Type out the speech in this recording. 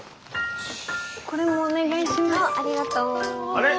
あれ？